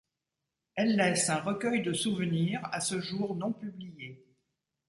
Elle laisse un recueil de souvenirs, à ce jour non publié.